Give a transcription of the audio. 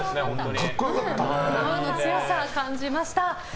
母の強さを感じました。